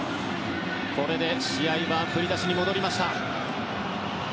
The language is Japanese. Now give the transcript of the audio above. これで試合は振り出しに戻りました。